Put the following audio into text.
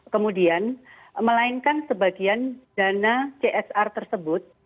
kemudian melainkan sebagian dana csr tersebut